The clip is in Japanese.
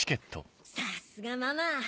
さすがママ。